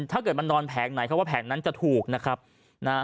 ถ้าเกิดมันนอนแผงไหนเขาว่าแผงนั้นจะถูกนะครับนะฮะ